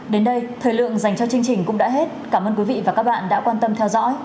đến đây thời lượng dành cho chương trình cũng đã hết cảm ơn quý vị và các bạn đã quan tâm theo dõi